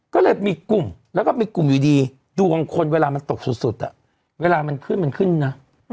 ก็เลยมีกลุ่มและตรงคนมันตกสุดอ่ะเวลามันขึ้นมันขึ้นน่ะ